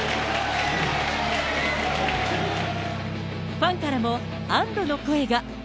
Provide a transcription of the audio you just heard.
ファンからも安どの声が。